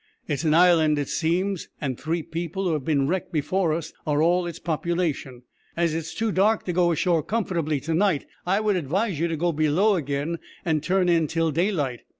It's an island, it seems, and three people who have been wrecked before us are all its population. As it is too dark to go ashore comfortably to night, I would advise you to go below again, an' turn in till daylight.